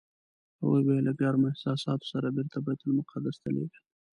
هغوی به یې له ګرمو احساساتو سره بېرته بیت المقدس ته لېږل.